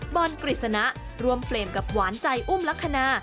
บอลกฤษณะร่วมเฟรมกับหวานใจอุ้มลักษณะ